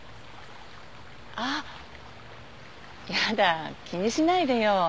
あっやだ気にしないでよ。